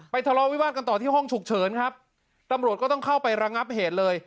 ทะเลาะวิวาสกันต่อที่ห้องฉุกเฉินครับตำรวจก็ต้องเข้าไประงับเหตุเลย